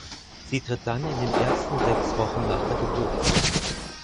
Sie tritt dann in den ersten sechs Wochen nach der Geburt auf.